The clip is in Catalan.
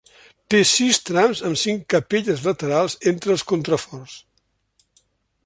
Té sis trams amb cinc capelles laterals entre els contraforts.